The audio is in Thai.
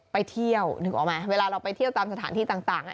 ไปเที่ยวนึกออกไหมเวลาเราไปเที่ยวตามสถานที่ต่าง